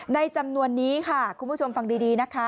จำนวนนี้ค่ะคุณผู้ชมฟังดีนะคะ